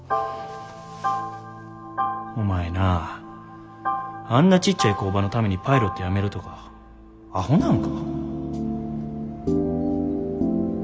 お前なぁあんなちっちゃい工場のためにパイロットやめるとかアホなんか？